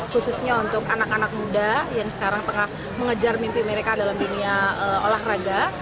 khususnya untuk anak anak muda yang sekarang tengah mengejar mimpi mereka dalam dunia olahraga